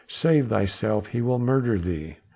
"Save thyself! he will murder thee!"